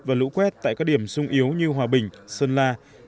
và lũ quét tại các điểm sung yếu như hòa bình sơn la